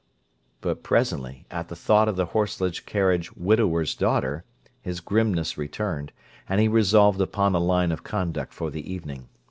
But presently, at the thought of the horseless carriage widower's daughter, his grimness returned, and he resolved upon a line of conduct for the evening.